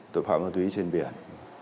tội phạm là tùy ý trên biển